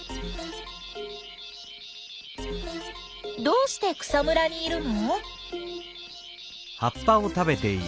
どうして草むらにいるの？